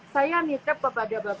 saya nitip kepada orang orang yang berkata